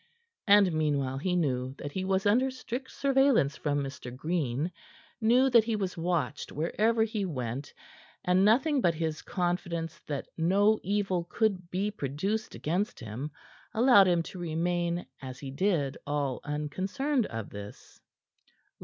And meanwhile he knew that he was under strict surveillance from Mr. Green; knew that he was watched wherever he went; and nothing but his confidence that no evidence could be produced against him allowed him to remain, as he did, all unconcerned of this.